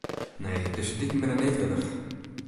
Nee, dizze diken binne neat wurdich.